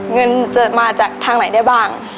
เงินจะมาจากทางไหนได้บ้าง